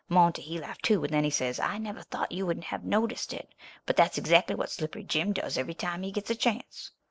Monty, he laughed too; and then he says, 'I never thought you would have noticed it, but that's exactly what Slippery Jim does every time he gets a chance.'